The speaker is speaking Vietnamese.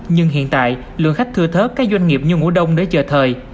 nhưng hiện tại lượng khách thừa thớp các doanh nghiệp như ngũ đông để chờ thời